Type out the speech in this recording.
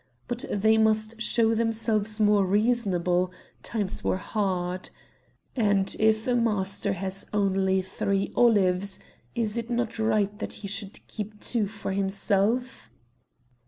But they must show themselves more reasonable; times were hard, "and if a master has only three olives, is it not right that he should keep two for himself?"